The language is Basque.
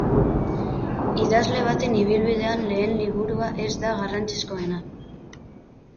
Idazle baten ibilbidean lehen liburua ez da garrantzizkoena.